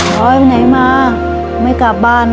เฮ้ยไหนมาไม่กลับบ้านเลยนะ